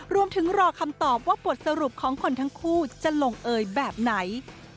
รอคำตอบว่าบทสรุปของคนทั้งคู่จะลงเอยแบบไหน